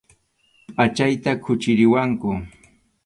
Pʼachayta quchiriwanku.